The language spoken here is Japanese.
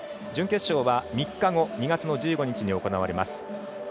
準決勝は３日後、２月１５日に行われます。